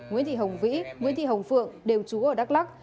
nguyễn thị hồng vĩ nguyễn thị hồng phượng đều trú ở đắk lắc